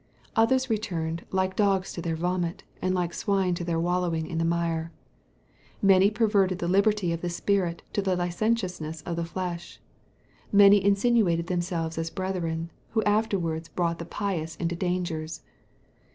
" Others returned "like dogs to their vomit, and like swine to their wallowing in the mire." Many perverted the liberty of the spirit into the licentiousness of the flesh. Many insinuated themselves as brethren, who afterwards brought the pious into dangers.